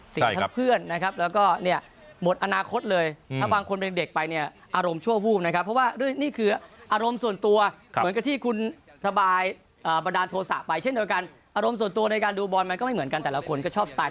เสียทั้งเพื่อนนะครับแล้วก็หมดอนาคตเลย